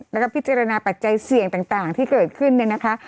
แล้วก็พิจารณาปัจจัยเสี่ยงต่างที่เกิดขึ้นเนี่ยนะคะ